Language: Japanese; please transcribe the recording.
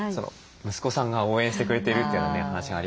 息子さんが応援してくれているという話がありましたけども。